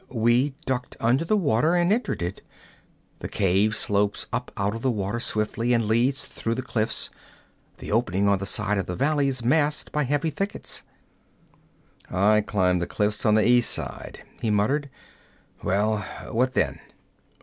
We ducked under the water and entered it. The cave slopes up out of the water swiftly and leads through the cliffs. The opening on the side of the valley is masked by heavy thickets.' 'I climbed the cliffs on the east side,' he muttered. 'Well, what then?'